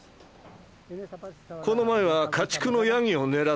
この前は家畜のヤギを狙ってた。